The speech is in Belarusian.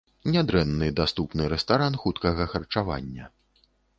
Нядрэнны даступны рэстаран хуткага харчавання.